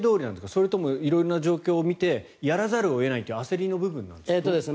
それとも色々な状況を見てやらざるを得ないという焦りの部分なんですか？